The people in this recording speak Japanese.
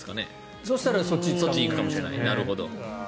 そしたらそっちに行くかもしれない。